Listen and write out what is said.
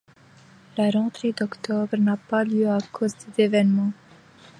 La rentrée d'octobre n'a pas lieu à cause des événements.